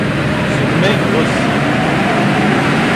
Ce maigre-ci.